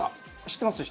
知ってます。